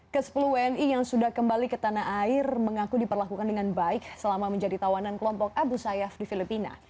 ke sepuluh wni yang sudah kembali ke tanah air mengaku diperlakukan dengan baik selama menjadi tawanan kelompok abu sayyaf di filipina